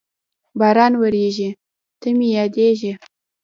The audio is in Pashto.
باران ورېږي، ته مې یادېږې